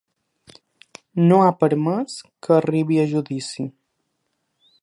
No ha permès que arribi a judici.